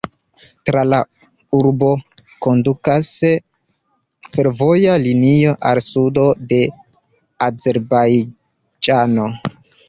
Tra la urbo kondukas fervoja linio al sudo de Azerbajĝano.